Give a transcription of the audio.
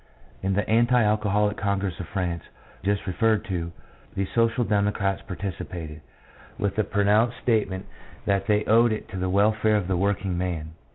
In the Anti Alcoholic Congress of France, just referred to, the Social Democrats participated, with the pro nounced statement that they owed it to the welfare of the working man.